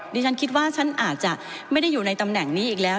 ดิฉันคิดว่าฉันอาจจะไม่ได้อยู่ในตำแหน่งนี้อีกแล้ว